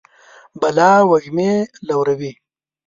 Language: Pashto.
بلا وږمې لوروي